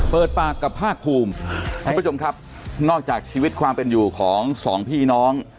เปิดปากกับภาคภูมิท่านผู้ชมครับนอกจากชีวิตความเป็นอยู่ของสองพี่น้อง